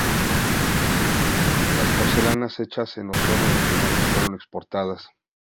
Las porcelanas hechas en los hornos regionales fueron exportadas.